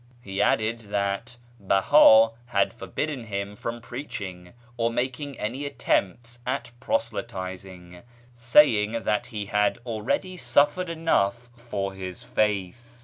He added that Beha had forbidden him from preaching, or making any attempts at proselytising, saying that he had already suffered enough for his faith.